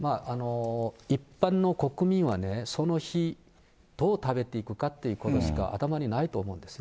一般の国民はね、その日どう食べていくかということしか頭にないと思うんですね。